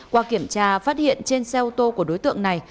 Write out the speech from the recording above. qua kiểm tra phát hiện trên xe ô tô của đối tượng này